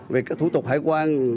vì cái thủ tục hải quan